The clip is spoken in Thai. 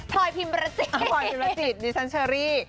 พลอยพิมรจิตดิฉันเชอรี่